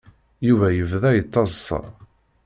Yuba yebda yettaḍsa.